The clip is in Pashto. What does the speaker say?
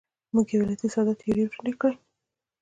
موږ یو علتي ساده تیوري وړاندې کړې.